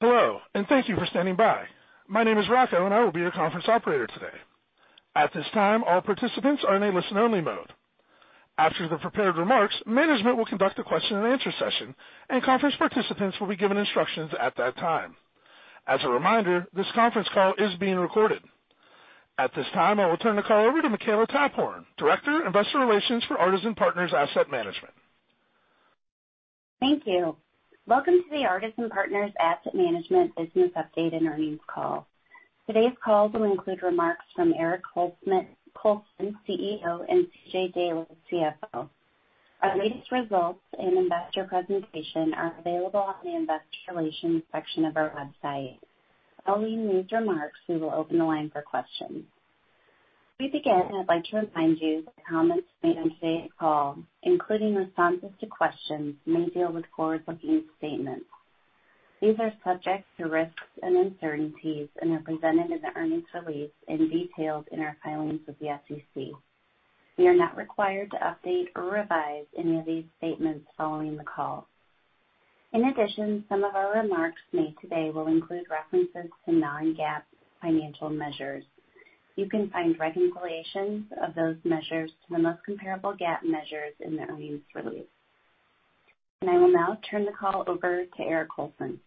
Hello, and thank you for standing by. My name is Rocco, and I will be your conference operator today. At this time, all participants are in a listen-only mode. After the prepared remarks, management will conduct a question and answer session, and conference participants will be given instructions at that time. As a reminder, this conference call is being recorded. At this time, I will turn the call over to Makela Taphorn, Director of Investor Relations for Artisan Partners Asset Management. Thank you. Welcome to the Artisan Partners Asset Management business update and earnings call. Today's call will include remarks from Eric Colson, CEO, and C.J. Daley, CFO. Our latest results and investor presentation are available on the investor relations section of our website. Following these remarks, we will open the line for questions. Before we begin, I'd like to remind you that comments made on today's call, including responses to questions, may deal with forward-looking statements. These are subject to risks and uncertainties and are presented in the earnings release and detailed in our filings with the SEC. We are not required to update or revise any of these statements following the call. In addition, some of our remarks made today will include references to non-GAAP financial measures. You can find reconciliations of those measures to the most comparable GAAP measures in the earnings release. I will now turn the call over to Eric Colson.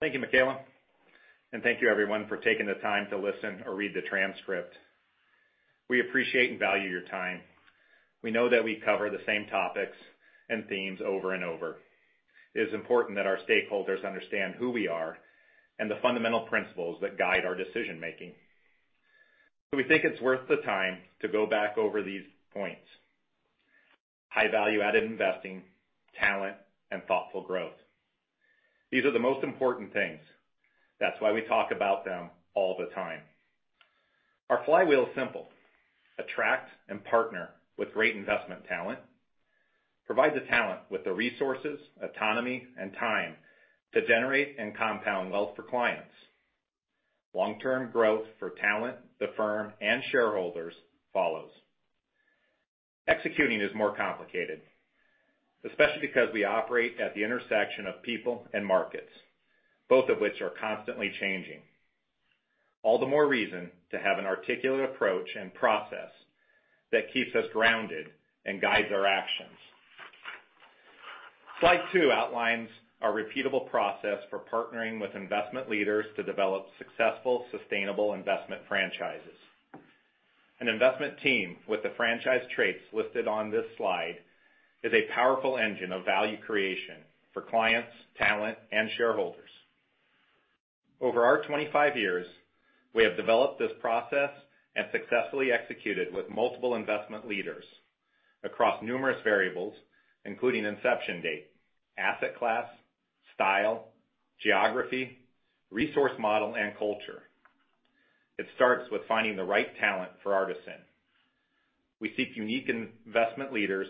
Thank you, Makela. Thank you everyone for taking the time to listen or read the transcript. We appreciate and value your time. We know that we cover the same topics and themes over and over. It is important that our stakeholders understand who we are and the fundamental principles that guide our decision-making. We think it's worth the time to go back over these points. High value-added investing, talent, and thoughtful growth. These are the most important things. That's why we talk about them all the time. Our flywheel is simple. Attract and partner with great investment talent, provide the talent with the resources, autonomy, and time to generate and compound wealth for clients. Long-term growth for talent, the firm, and shareholders follows. Executing is more complicated, especially because we operate at the intersection of people and markets, both of which are constantly changing. All the more reason to have an articulate approach and process that keeps us grounded and guides our actions. Slide two outlines our repeatable process for partnering with investment leaders to develop successful, sustainable investment franchises. An investment team with the franchise traits listed on this slide is a powerful engine of value creation for clients, talent, and shareholders. Over our 25 years, we have developed this process and successfully executed with multiple investment leaders across numerous variables, including inception date, asset class, style, geography, resource model, and culture. It starts with finding the right talent for Artisan. We seek unique investment leaders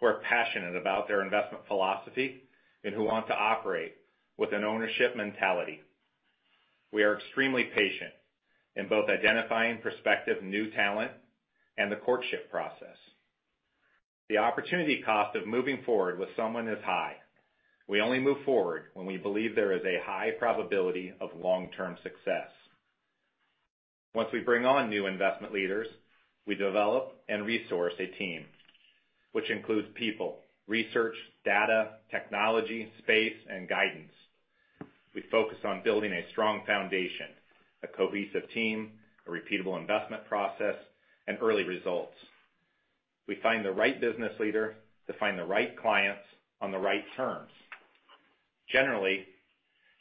who are passionate about their investment philosophy and who want to operate with an ownership mentality. We are extremely patient in both identifying prospective new talent and the courtship process. The opportunity cost of moving forward with someone is high. We only move forward when we believe there is a high probability of long-term success. Once we bring on new investment leaders, we develop and resource a team, which includes people, research, data, technology, space, and guidance. We focus on building a strong foundation, a cohesive team, a repeatable investment process, and early results. We find the right business leader to find the right clients on the right terms. Generally,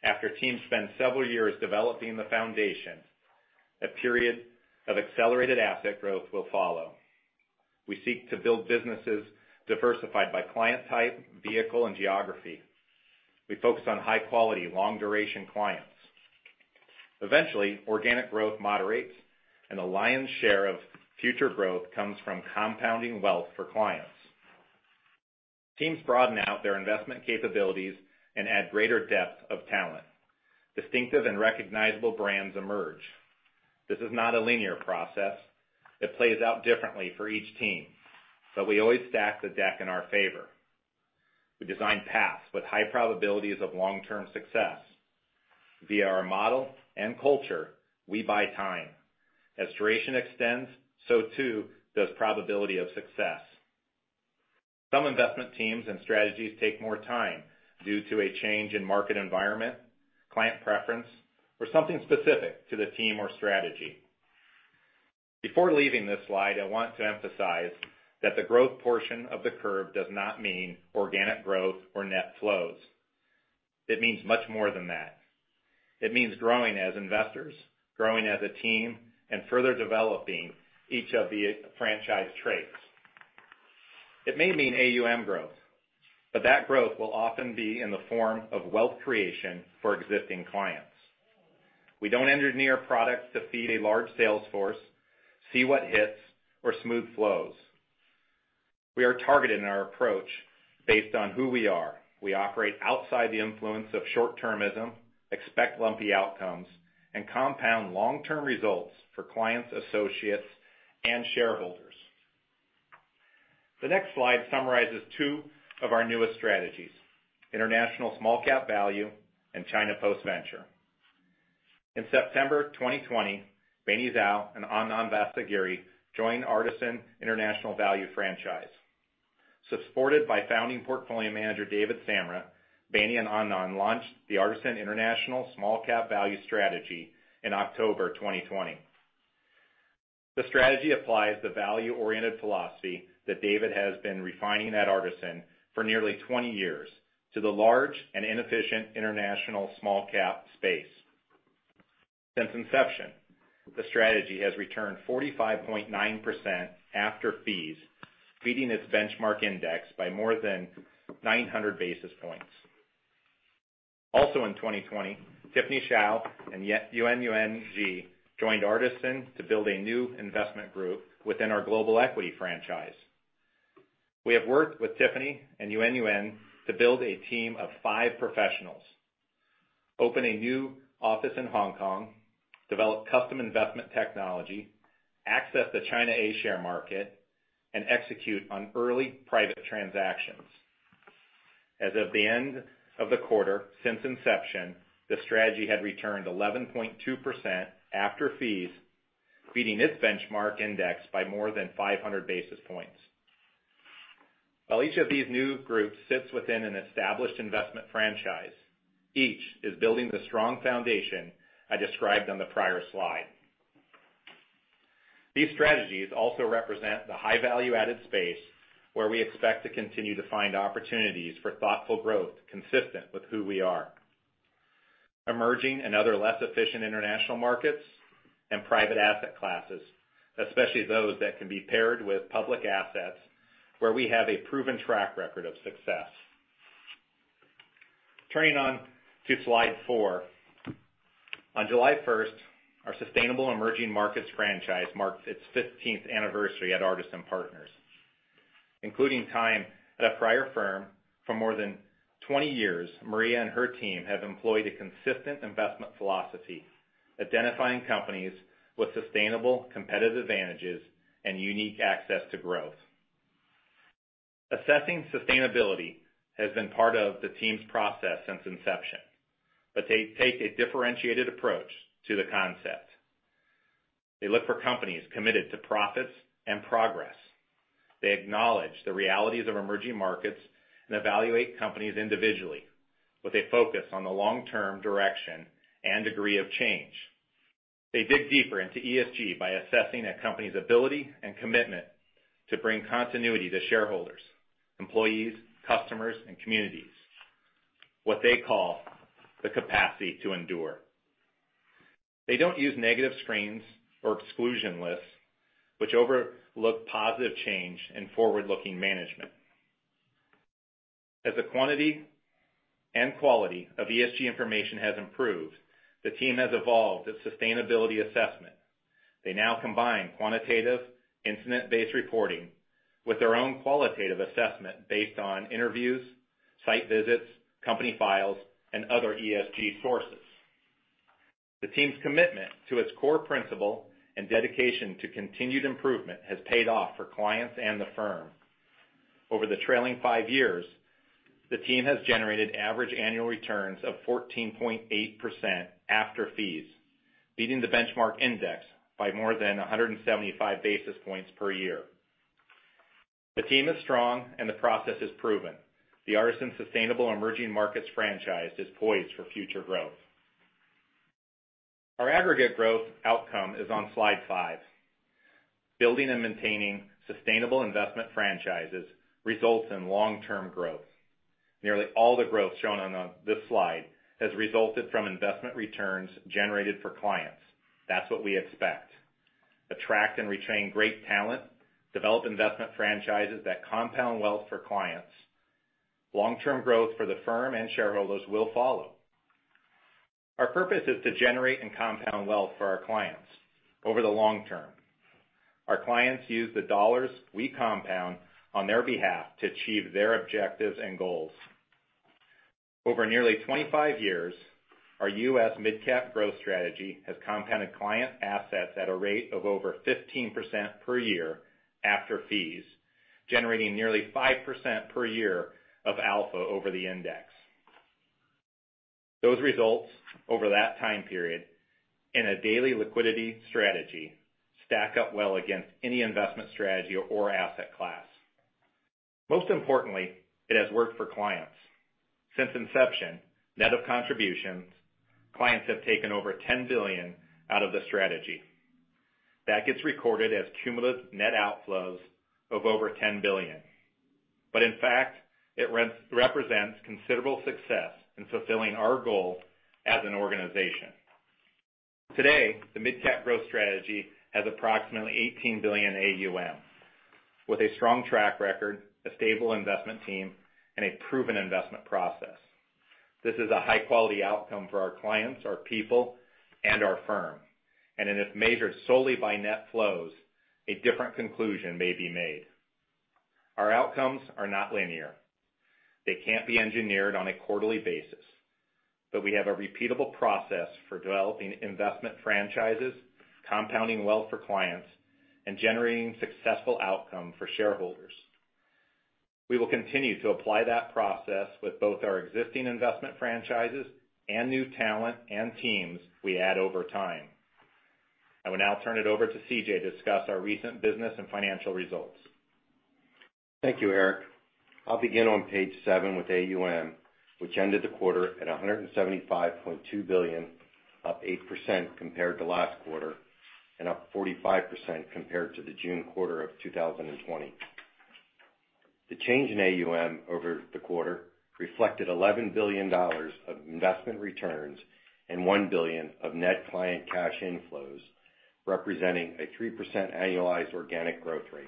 after teams spend several years developing the foundation, a period of accelerated asset growth will follow. We seek to build businesses diversified by client type, vehicle, and geography. We focus on high-quality, long-duration clients. Eventually, organic growth moderates and the lion's share of future growth comes from compounding wealth for clients. Teams broaden out their investment capabilities and add greater depth of talent. Distinctive and recognizable brands emerge. This is not a linear process. It plays out differently for each team, but we always stack the deck in our favor. We design paths with high probabilities of long-term success. Via our model and culture, we buy time. As duration extends, so too does probability of success. Some investment teams and strategies take more time due to a change in market environment, client preference, or something specific to the team or strategy. Before leaving this slide, I want to emphasize that the growth portion of the curve does not mean organic growth or net flows. It means much more than that. It means growing as investors, growing as a team, and further developing each of the franchise traits. It may mean AUM growth, but that growth will often be in the form of wealth creation for existing clients. We don't engineer products to feed a large sales force, see what hits or smooth flows. We are targeted in our approach based on who we are. We operate outside the influence of short-termism, expect lumpy outcomes, and compound long-term results for clients, associates, and shareholders. The next slide summarizes two of our newest strategies, International Small Cap Value and China Post-Venture. In September 2020, Beini Zhou and Anand Vasagiri joined Artisan International Value franchise. Supported by Founding Portfolio Manager, David Samra, Beini and Anand launched the Artisan International Small Cap Value strategy in October 2020. The strategy applies the value-oriented philosophy that David has been refining at Artisan for nearly 20 years to the large and inefficient international small cap space. Since inception, the strategy has returned 45.9% after fees, beating its benchmark index by more than 900 basis points. Also in 2020, Tiffany Hsiao and Yuanyuan Ji joined Artisan to build a new investment group within our global equity franchise. We have worked with Tiffany and Yuanyuan to build a team of five professionals, open a new office in Hong Kong, develop custom investment technology, access the China A-share market, and execute on early private transactions. As of the end of the quarter, since inception, the strategy had returned 11.2% after fees, beating its benchmark index by more than 500 basis points. While each of these new groups sits within an established investment franchise, each is building the strong foundation I described on the prior slide. These strategies also represent the high value-added space, where we expect to continue to find opportunities for thoughtful growth consistent with who we are, emerging in other less efficient international markets and private asset classes, especially those that can be paired with public assets, where we have a proven track record of success. Turning on to slide four. On July 1st, our Sustainable Emerging Markets franchise marked its 15th anniversary at Artisan Partners. Including time at a prior firm for more than 20 years, Maria and her team have employed a consistent investment philosophy, identifying companies with sustainable competitive advantages and unique access to growth. Assessing sustainability has been part of the team's process since inception, but they take a differentiated approach to the concept. They look for companies committed to profits and progress. They acknowledge the realities of emerging markets and evaluate companies individually with a focus on the long-term direction and degree of change. They dig deeper into ESG by assessing a company's ability and commitment to bring continuity to shareholders, employees, customers, and communities, what they call the capacity to endure. They don't use negative screens or exclusion lists, which overlook positive change in forward-looking management. As the quantity and quality of ESG information has improved, the team has evolved its sustainability assessment. They now combine quantitative incident-based reporting with their own qualitative assessment based on interviews, site visits, company files, and other ESG sources. The team's commitment to its core principle and dedication to continued improvement has paid off for clients and the firm. Over the trailing five years, the team has generated average annual returns of 14.8% after fees, beating the benchmark index by more than 175 basis points per year. The team is strong, and the process is proven. The Artisan Sustainable Emerging Markets franchise is poised for future growth. Our aggregate growth outcome is on slide five. Building and maintaining sustainable investment franchises results in long-term growth. Nearly all the growth shown on this slide has resulted from investment returns generated for clients. That's what we expect. Attract and retain great talent, develop investment franchises that compound wealth for clients. Long-term growth for the firm and shareholders will follow. Our purpose is to generate and compound wealth for our clients over the long term. Our clients use the dollars we compound on their behalf to achieve their objectives and goals. Over nearly 25 years, our U.S. Mid-Cap Growth strategy has compounded client assets at a rate of over 15% per year after fees, generating nearly 5% per year of alpha over the index. Those results over that time period in a daily liquidity strategy stack up well against any investment strategy or asset class. Most importantly, it has worked for clients. Since inception, net of contributions, clients have taken over $10 billion out of the strategy. That gets recorded as cumulative net outflows of over $10 billion. In fact, it represents considerable success in fulfilling our goal as an organization. Today, the Mid-Cap Growth strategy has approximately $18 billion AUM with a strong track record, a stable investment team, and a proven investment process. This is a high-quality outcome for our clients, our people, and our firm. If measured solely by net flows, a different conclusion may be made. Our outcomes are not linear. They can't be engineered on a quarterly basis, but we have a repeatable process for developing investment franchises, compounding wealth for clients and generating successful outcome for shareholders. We will continue to apply that process with both our existing investment franchises and new talent and teams we add over time. I will now turn it over to C.J. to discuss our recent business and financial results. Thank you, Eric. I'll begin on page seven with AUM, which ended the quarter at $175.2 billion, up 8% compared to last quarter, and up 45% compared to the June quarter of 2020. The change in AUM over the quarter reflected $11 billion of investment returns and $1 billion of net client cash inflows, representing a 3% annualized organic growth rate.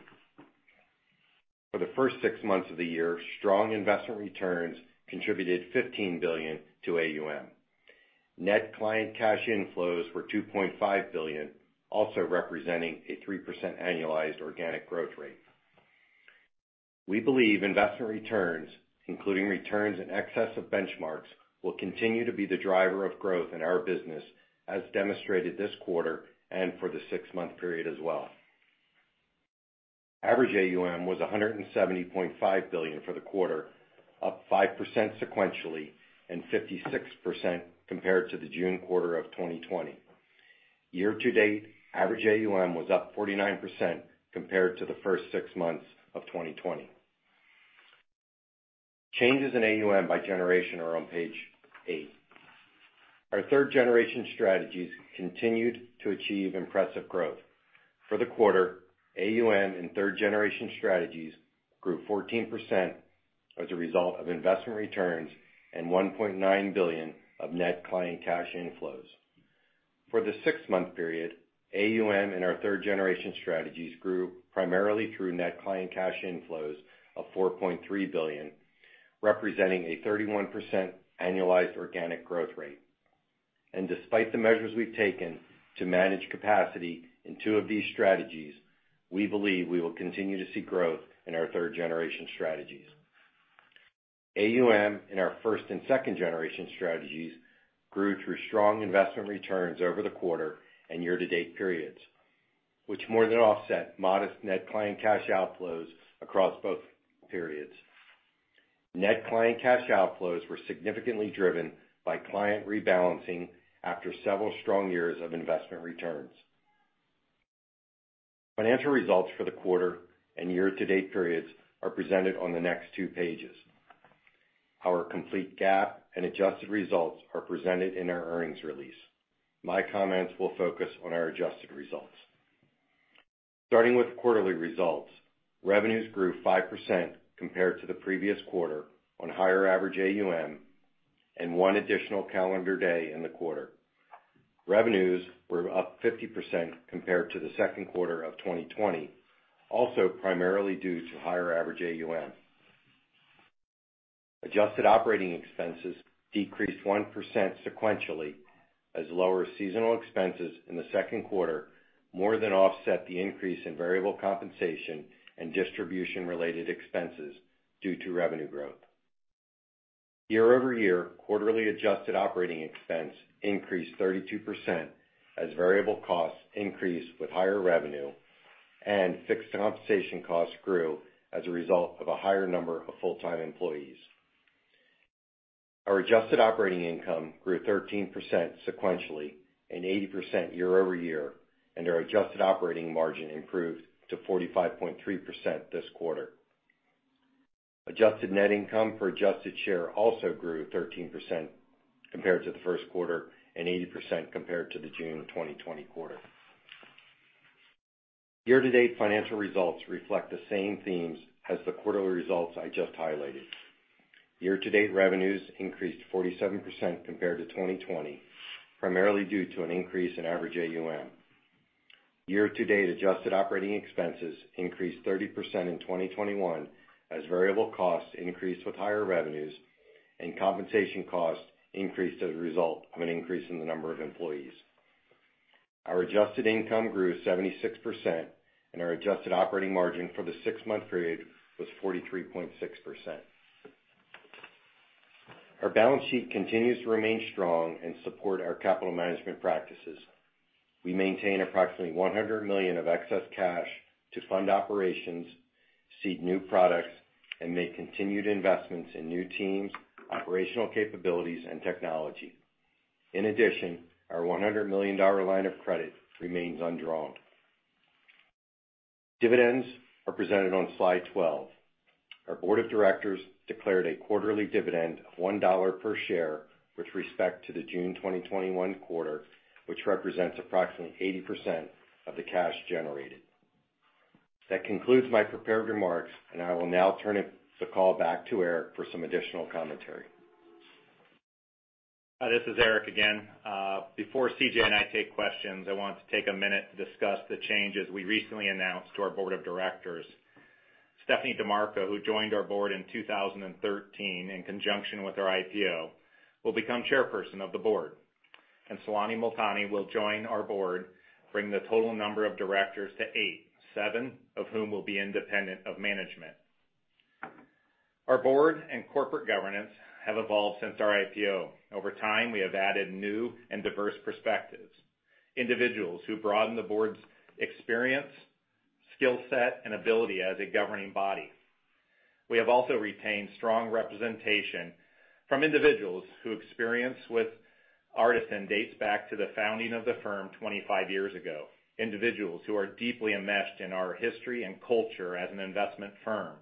For the first six months of the year, strong investment returns contributed $15 billion to AUM. Net client cash inflows were $2.5 billion, also representing a 3% annualized organic growth rate. We believe investment returns, including returns in excess of benchmarks, will continue to be the driver of growth in our business, as demonstrated this quarter and for the six month period as well. Average AUM was $170.5 billion for the quarter, up 5% sequentially and 56% compared to the June quarter of 2020. Year-to-date average AUM was up 49% compared to the first six months of 2020. Changes in AUM by generation are on page eight. Our third generation strategies continued to achieve impressive growth. For the quarter, AUM and third generation strategies grew 14% as a result of investment returns and $1.9 billion of net client cash inflows. For the six month period, AUM and our third generation strategies grew primarily through net client cash inflows of $4.3 billion, representing a 31% annualized organic growth rate. Despite the measures we've taken to manage capacity in two of these strategies, we believe we will continue to see growth in our third generation strategies. AUM in our first and second generation strategies grew through strong investment returns over the quarter and year-to-date periods, which more than offset modest net client cash outflows across both periods. Net client cash outflows were significantly driven by client rebalancing after several strong years of investment returns. Financial results for the quarter and year-to-date periods are presented on the next two pages. Our complete GAAP and adjusted results are presented in our earnings release. My comments will focus on our adjusted results. Starting with quarterly results, revenues grew 5% compared to the previous quarter on higher average AUM and one additional calendar day in the quarter. Revenues were up 50% compared to the second quarter of 2020, also primarily due to higher average AUM. Adjusted operating expenses decreased 1% sequentially as lower seasonal expenses in the second quarter more than offset the increase in variable compensation and distribution related expenses due to revenue growth. Year-over-year, quarterly adjusted operating expense increased 32% as variable costs increased with higher revenue and fixed compensation costs grew as a result of a higher number of full-time employees. Our adjusted operating income grew 13% sequentially and 80% year-over-year, and our adjusted operating margin improved to 45.3% this quarter. Adjusted net income per adjusted share also grew 13% compared to the first quarter and 80% compared to the June 2020 quarter. Year-to-date financial results reflect the same themes as the quarterly results I just highlighted. Year-to-date revenues increased 47% compared to 2020, primarily due to an increase in average AUM. Year-to-date adjusted operating expenses increased 30% in 2021 as variable costs increased with higher revenues and compensation costs increased as a result of an increase in the number of employees. Our adjusted income grew 76% and our adjusted operating margin for the six-month period was 43.6%. Our balance sheet continues to remain strong and support our capital management practices. We maintain approximately $100 million of excess cash to fund operations, seed new products, and make continued investments in new teams, operational capabilities and technology. In addition, our $100 million line of credit remains undrawn. Dividends are presented on slide 12. Our board of directors declared a quarterly dividend of $1 per share with respect to the June 2021 quarter, which represents approximately 80% of the cash generated. That concludes my prepared remarks, and I will now turn the call back to Eric for some additional commentary. Hi, this is Eric again. Before C.J. and I take questions, I want to take a minute to discuss the changes we recently announced to our Board of Directors. Stephanie DiMarco, who joined our board in 2013 in conjunction with our IPO, will become Chairperson of the Board. Saloni Multani will join our board, bringing the total number of directors to eight, seven of whom will be independent of management. Our board and corporate governance have evolved since our IPO. Over time, we have added new and diverse perspectives, individuals who broaden the board's experience, skill set, and ability as a governing body. We have also retained strong representation from individuals whose experience with Artisan dates back to the founding of the firm 25 years ago, individuals who are deeply enmeshed in our history and culture as an investment firm,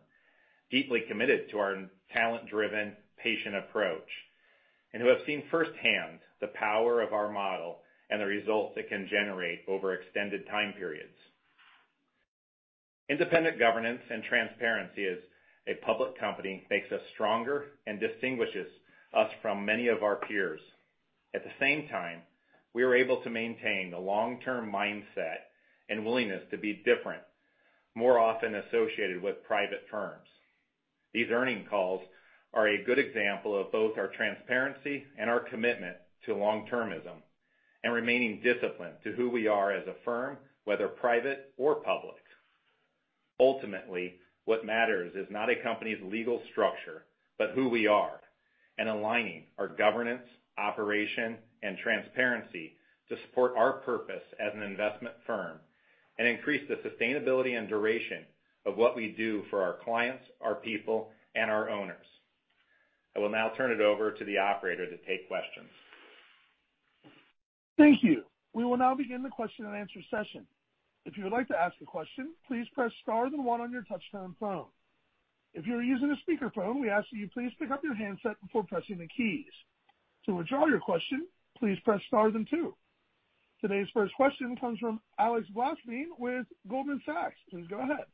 deeply committed to our talent-driven, patient approach, and who have seen firsthand the power of our model and the results it can generate over extended time periods. Independent governance and transparency as a public company makes us stronger and distinguishes us from many of our peers. At the same time, we are able to maintain the long-term mindset and willingness to be different, more often associated with private firms. These earnings calls are a good example of both our transparency and our commitment to long-termism and remaining disciplined to who we are as a firm, whether private or public. Ultimately, what matters is not a company's legal structure, but who we are and aligning our governance, operation, and transparency to support our purpose as an investment firm and increase the sustainability and duration of what we do for our clients, our people, and our owners. I will now turn it over to the operator to take questions. Thank you. We will now begin the question and answer session. If you would like to ask a question, please press star then one on your touchtone phone. If you're using a speakerphone, we ask that you please pick up your handset before pressing the keys. To withdraw your question, please press star then two. Today's first question comes from Alex Blostein with Goldman Sachs. Please go ahead.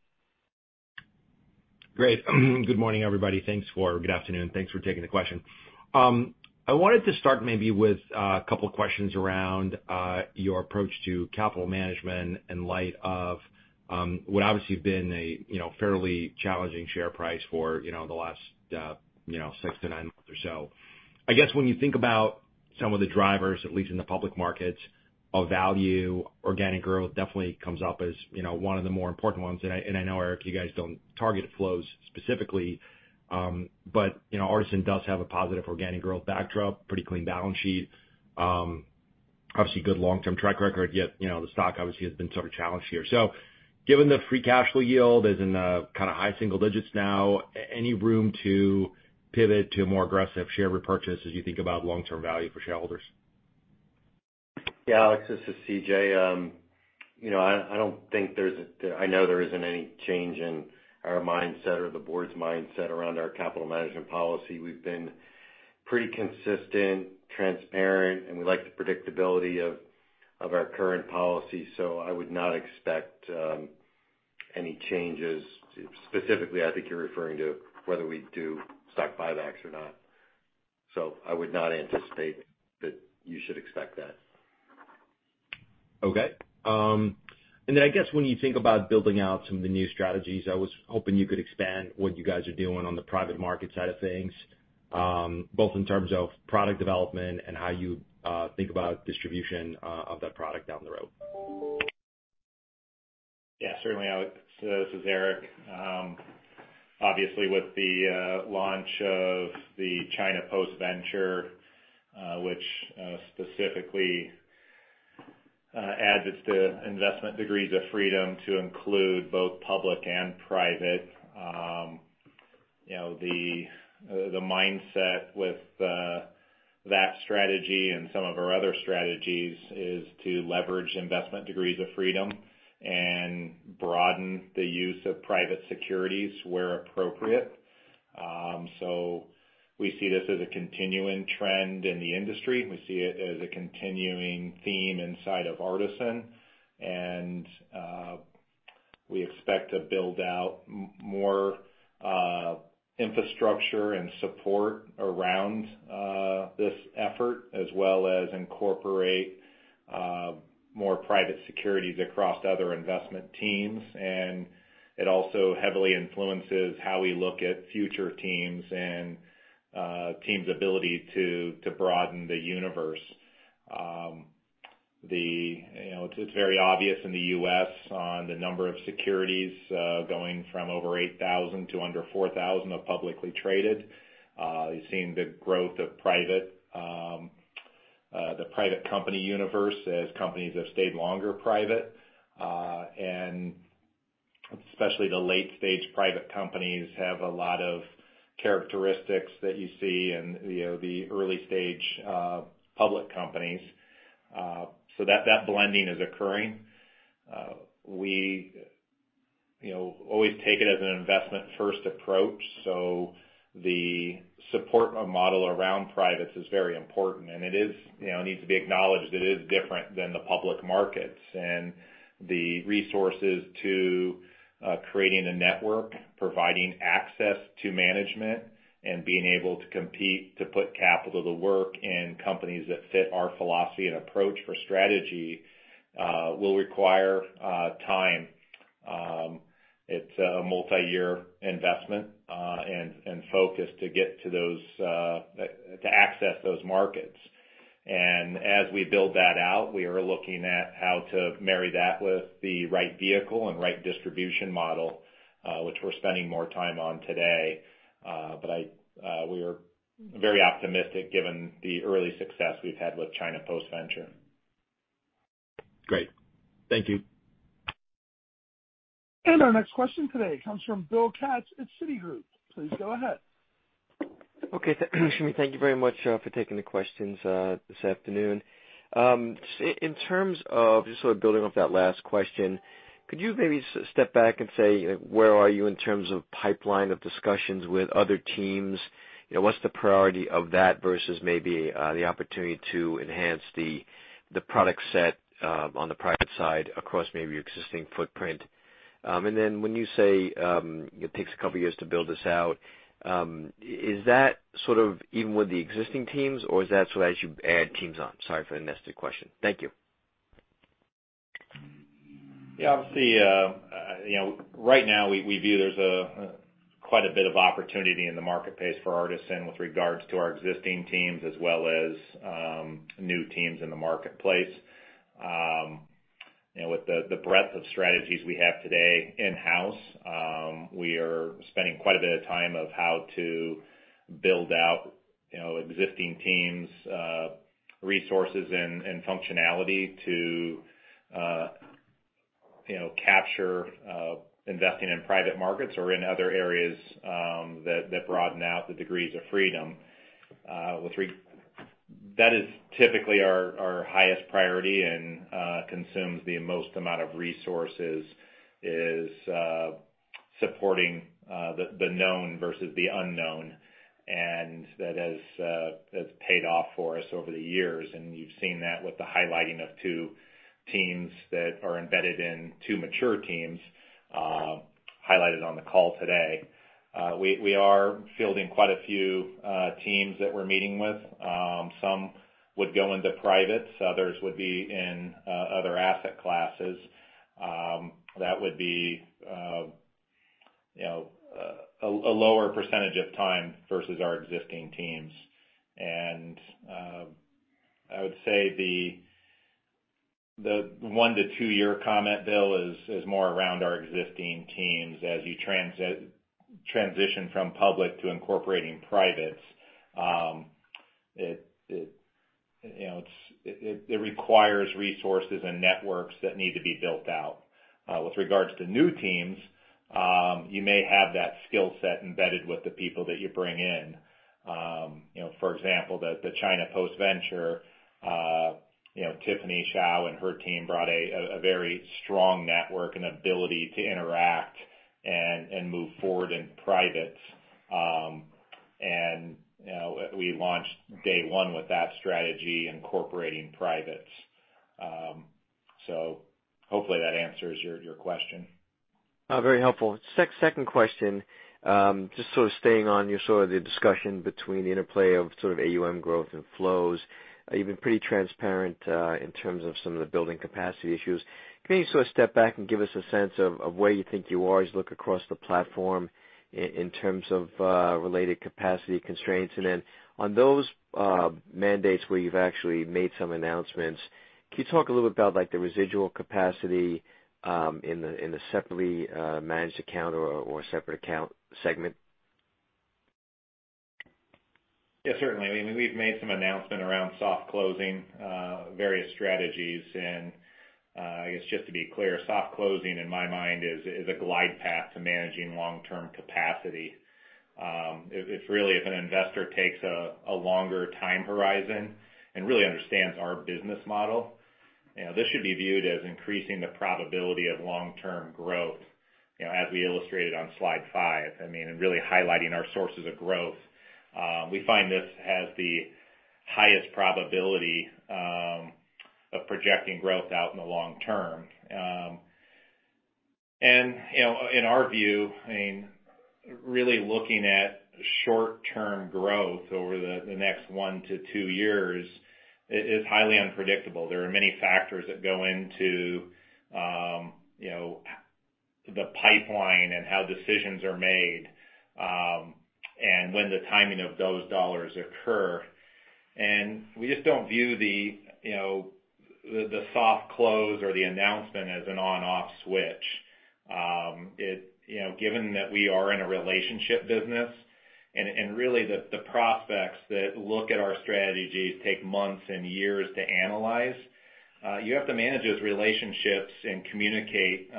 Great. Good morning, everybody. Good afternoon. Thanks for taking the question. I wanted to start maybe with a couple questions around your approach to capital management in light of what obviously has been a fairly challenging share price for the last six to nine months or so. I guess when you think about some of the drivers, at least in the public markets, of value, organic growth definitely comes up as one of the more important ones. I know, Eric, you guys don't target flows specifically. Artisan does have a positive organic growth backdrop, pretty clean balance sheet, obviously good long-term track record, yet the stock obviously has been sort of challenged here. Given the free cash flow yield is in the kind of high single digits now, any room to pivot to a more aggressive share repurchase as you think about long-term value for shareholders? Yeah, Alex, this is C.J. You know, I don't think, I know there isn't any change in our mindset or the board's mindset around our capital management policy. We've been pretty consistent, transparent, and we like the predictability of our current policy. I would not expect any changes. Specifically, I think you're referring to whether we do stock buybacks or not. I would not anticipate that you should expect that. Okay. I guess when you think about building out some of the new strategies, I was hoping you could expand what you guys are doing on the private market side of things, both in terms of product development and how you think about distribution of that product down the road. Yeah, certainly, Alex. This is Eric. Obviously, with the launch of the China Post-Venture, which specifically adds its investment degrees of freedom to include both public and private. The mindset with that strategy and some of our other strategies is to leverage investment degrees of freedom and broaden the use of private securities where appropriate. We see this as a continuing trend in the industry. We see it as a continuing theme inside of Artisan, and we expect to build out more infrastructure and support around this effort, as well as incorporate more private securities across other investment teams. It also heavily influences how we look at future teams and teams' ability to broaden the universe. It's very obvious in the U.S. on the number of securities going from over 8,000 to under 4,000 of publicly traded. You've seen the growth of the private company universe as companies have stayed longer private. Especially the late-stage private companies have a lot of characteristics that you see in the early-stage public companies. That blending is occurring. We always take it as an investment-first approach. The support model around privates is very important, and it needs to be acknowledged that it is different than the public markets. The resources to creating a network, providing access to management, and being able to compete, to put capital to work in companies that fit our philosophy and approach for strategy will require time. It's a multi-year investment and focus to get to those, to access those markets. As we build that out, we are looking at how to marry that with the right vehicle and right distribution model, which we're spending more time on today. We are very optimistic given the early success we've had with China Post-Venture. Great. Thank you. Our next question today comes from Bill Katz at Citigroup. Please go ahead. Okay. Thank you very much for taking the questions this afternoon. In terms of, just sort of building off that last question, could you maybe step back and say where are you in terms of pipeline of discussions with other teams? What's the priority of that versus maybe the opportunity to enhance the product set on the private side across maybe your existing footprint? When you say it takes a couple years to build this out, is that sort of even with the existing teams or is that as you add teams on? Sorry for the nested question. Thank you. Obviously right now we view there's quite a bit of opportunity in the marketplace for Artisan with regards to our existing teams as well as new teams in the marketplace. With the breadth of strategies we have today in-house, we are spending quite a bit of time of how to build out existing teams' resources and functionality to capture investing in private markets or in other areas that broaden out the degrees of freedom. That is typically our highest priority and consumes the most amount of resources, is supporting the known versus the unknown. That has paid off for us over the years, and you've seen that with the highlighting of two teams that are embedded in two mature teams, highlighted on the call today. We are fielding quite a few teams that we're meeting with. Some would go into privates, others would be in other asset classes. That would be a lower percentage of time versus our existing teams. I would say the one-to-two-year comment, Bill, is more around our existing teams. As you transition from public to incorporating privates, it requires resources and networks that need to be built out. With regards to new teams, you may have that skill set embedded with the people that you bring in. For example, the China Post-Venture, Tiffany Hsiao and her team brought a very strong network and ability to interact and move forward in privates. We launched day one with that strategy, incorporating privates. Hopefully that answers your question. Very helpful. Second question, just sort of staying on the discussion between the interplay of AUM growth and flows. You've been pretty transparent in terms of some of the building capacity issues. Can you sort of step back and give us a sense of where you think you are as you look across the platform in terms of related capacity constraints? On those mandates where you've actually made some announcements, can you talk a little bit about the residual capacity in the separately managed account or separate account segment? Yeah, certainly. We've made some announcement around soft closing various strategies. I guess just to be clear, soft closing in my mind is a glide path to managing long-term capacity. If really, if an investor takes a longer time horizon and really understands our business model, this should be viewed as increasing the probability of long-term growth. As we illustrated on slide five, and really highlighting our sources of growth, we find this has the highest probability of projecting growth out in the long term. In our view, really looking at short-term growth over the next one to two years is highly unpredictable. There are many factors that go into the pipeline and how decisions are made, and when the timing of those dollars occur. We just don't view the soft close or the announcement as an on/off switch. Given that we are in a relationship business, and really the prospects that look at our strategies take months and years to analyze, you have to manage those relationships and communicate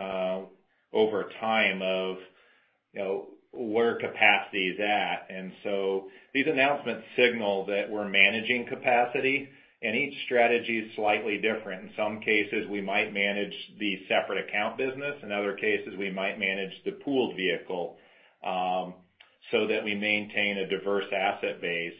over time of where capacity is at. These announcements signal that we're managing capacity, and each strategy is slightly different. In some cases, we might manage the separate account business. In other cases, we might manage the pooled vehicle so that we maintain a diverse asset base.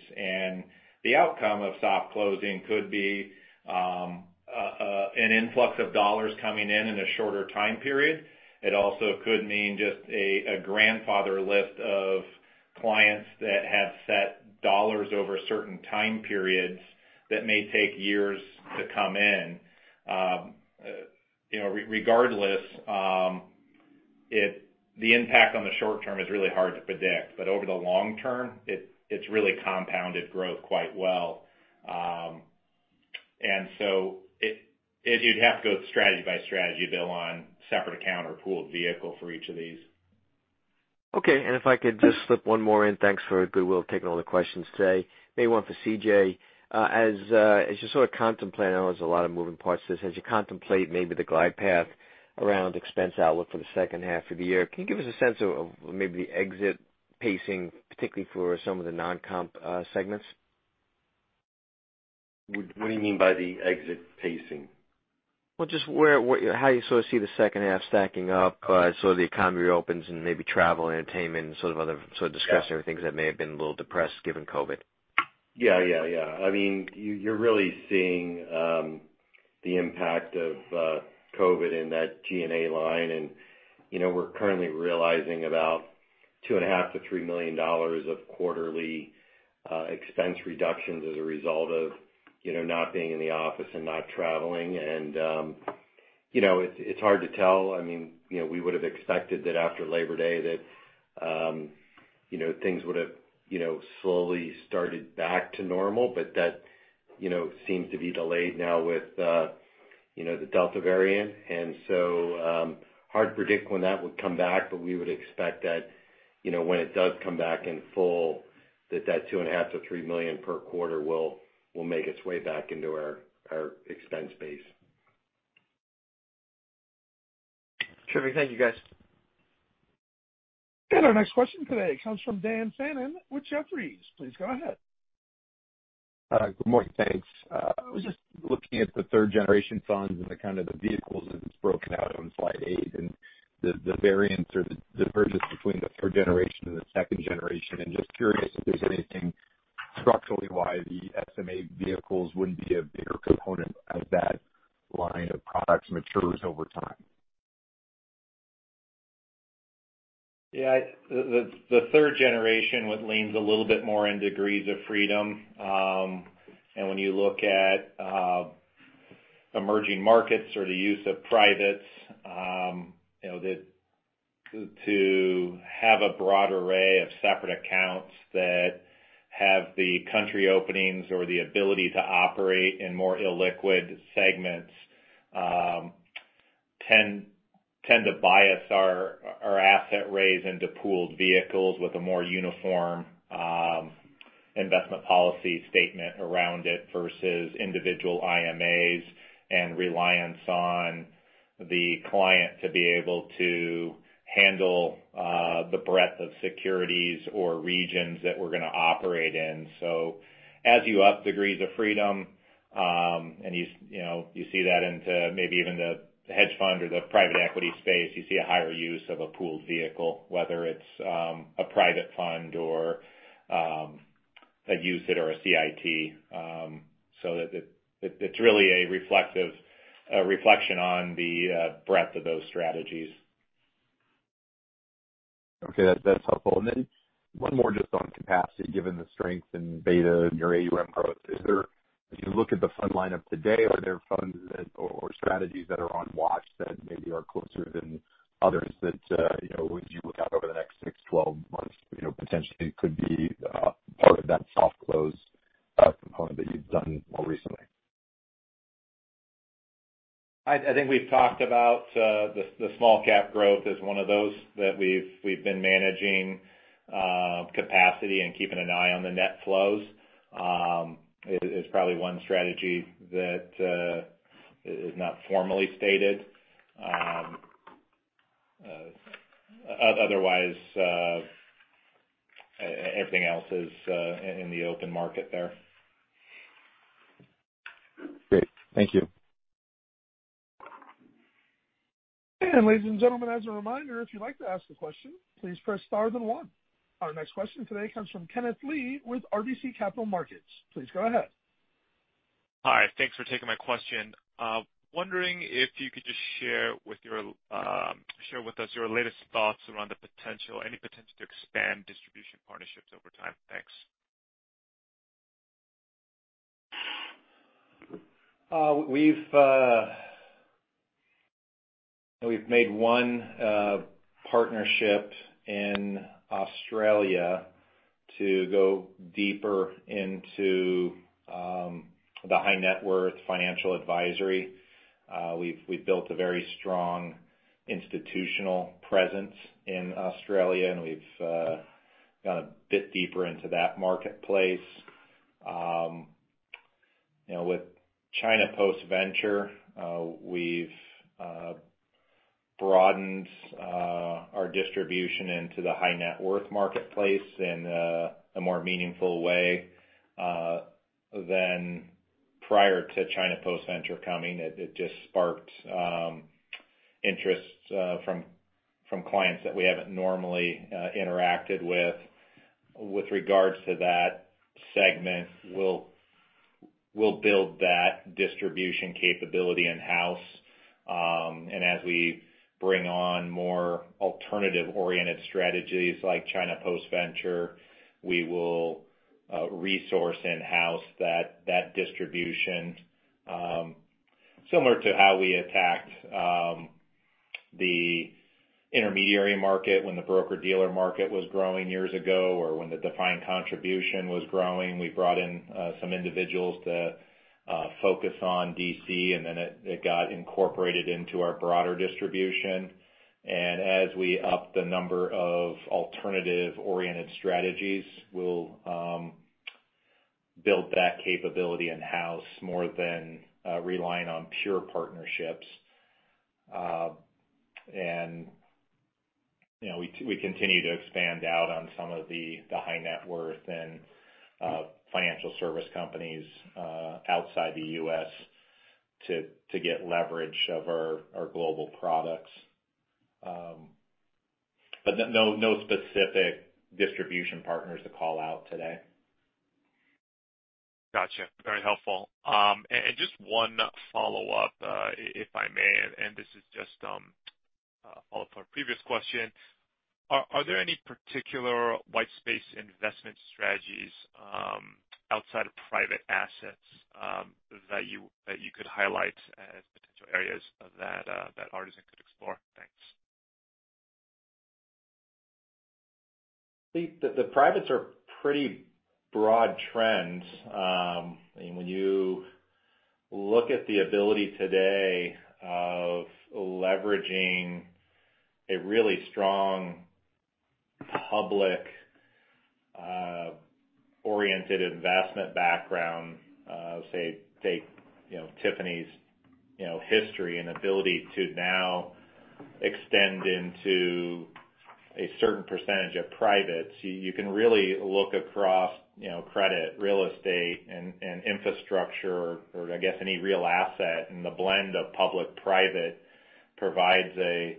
The outcome of soft closing could be an influx of dollars coming in in a shorter time period. It also could mean just a grandfather list of clients that have set dollars over certain time periods that may take years to come in. Regardless, the impact on the short term is really hard to predict. Over the long term, it's really compounded growth quite well. You'd have to go strategy by strategy, Bill, on separate account or pooled vehicle for each of these. Okay. If I could just slip one more in. Thanks for goodwill taking all the questions today. Maybe one for C.J. I know there's a lot of moving parts to this. As you contemplate maybe the glide path around expense outlook for the second half of the year, can you give us a sense of maybe exit pacing, particularly for some of the non-comp segments? What do you mean by the exit pacing? Well, just how you see the second half stacking up as the economy reopens and maybe travel, entertainment, and other discussable things that may have been a little depressed given COVID. Yeah, yeah, yeah. I mean, you're really seeing the impact of COVID in that G&A line, we're currently realizing about $2.5 million-$3 million of quarterly expense reductions as a result of not being in the office and not traveling. It's hard to tell. We would've expected that after Labor Day that things would've slowly started back to normal. That seems to be delayed now with the Delta variant. Hard to predict when that would come back, but we would expect that when it does come back in full, that $2.5 million-$3 million per quarter will make its way back into our expense base. Terrific. Thank you, guys. Our next question today comes from Dan Fannon with Jefferies. Please go ahead. Good morning. Thanks. I was just looking at the third generation funds and the kind of the vehicles that it's broken out on slide eight, and the variants or the differences between the third generation and the second generation. I'm just curious if there's anything structurally why the SMA vehicles wouldn't be a bigger component as that line of products matures over time. Yeah. The third generation leans a little bit more in degrees of freedom. When you look at emerging markets or the use of privates, to have a broad array of separate accounts that have the country openings or the ability to operate in more illiquid segments tend to bias our asset raise into pooled vehicles with a more uniform investment policy statement around it versus individual IMAs and reliance on the client to be able to handle the breadth of securities or regions that we're going to operate in. As you up degrees of freedom, and you see that into maybe even the hedge fund or the private equity space, you see a higher use of a pooled vehicle, whether it's a private fund or a UCITS or a CIT. It's really a reflection on the breadth of those strategies. Okay. That's helpful. One more just on capacity, given the strength in beta and your AUM growth. As you look at the fund lineup today, are there funds or strategies that are on watch that maybe are closer than others that as you look out over the next 6-12 months, potentially could be part of that soft close component that you've done more recently? I think we've talked about the small cap growth as one of those that we've been managing capacity and keeping an eye on the net flows. It is probably one strategy that is not formally stated. Otherwise, everything else is in the open market there. Great. Thank you. Ladies and gentlemen, as a reminder, if you'd like to ask a question, please press star then one. Our next question today comes from Kenneth Lee with RBC Capital Markets. Please go ahead. Hi. Thanks for taking my question. Wondering if you could just share with us your latest thoughts around the potential, any potential to expand distribution partnerships over time. Thanks. We've made one partnership in Australia to go deeper into the high net worth financial advisory. We've built a very strong institutional presence in Australia, and we've gone a bit deeper into that marketplace. With China Post-Venture, we've broadened our distribution into the high net worth marketplace in a more meaningful way than prior to China Post-Venture coming. It just sparked interests from clients that we haven't normally interacted with. With regards to that segment, we'll build that distribution capability in-house. As we bring on more alternative-oriented strategies like China Post-Venture, we will resource in-house that distribution, similar to how we attacked the intermediary market when the broker-dealer market was growing years ago, or when the defined contribution was growing. We brought in some individuals to focus on DC, then it got incorporated into our broader distribution. As we up the number of alternative-oriented strategies, we'll build that capability in-house more than relying on pure partnerships. We continue to expand out on some of the high net worth and financial service companies outside the U.S. to get leverage of our global products. No specific distribution partners to call out today. Got you. Very helpful. Just one follow-up, if I may, and this is just a follow-up to our previous question. Are there any particular white space investment strategies outside of private assets that you could highlight as potential areas that Artisan could explore? Thanks. The privates are pretty broad trends. When you look at the ability today of leveraging a really strong public-oriented investment background, say, take Tiffany's history and ability to now extend into a certain percentage of privates, you can really look across credit, real estate, and infrastructure, or I guess any real asset. The blend of public-private provides a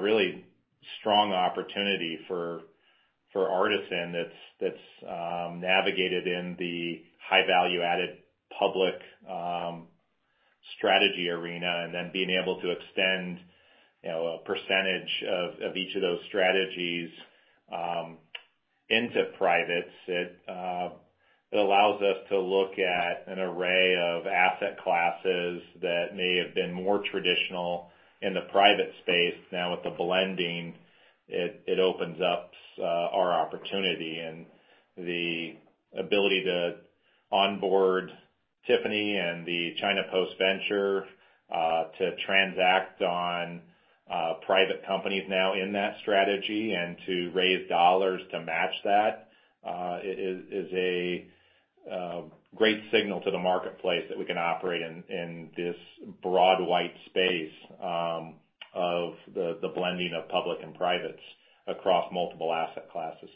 really strong opportunity for Artisan that's navigated in the high-value added public strategy arena, and then being able to extend a percentage of each of those strategies into privates. It allows us to look at an array of asset classes that may have been more traditional in the private space. Now with the blending, it opens up our opportunity. The ability to onboard Tiffany and the China Post-Venture to transact on private companies now in that strategy, and to raise dollars to match that, is a great signal to the marketplace that we can operate in this broad white space of the blending of public and privates across multiple asset classes.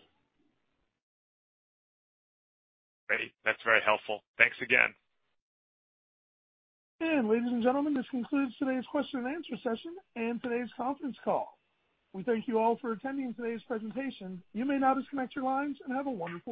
Great. That's very helpful. Thanks again. Ladies and gentlemen, this concludes today's question and answer session and today's conference call. We thank you all for attending today's presentation. You may now disconnect your lines and have a wonderful day.